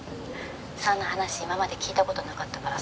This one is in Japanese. そんな話今まで聞いた事なかったからさ」